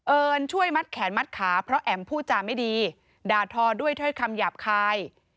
ช่วยมัดแขนมัดขาเพราะแอ๋มพูดจาไม่ดีด่าทอด้วยถ้อยคำหยาบคาย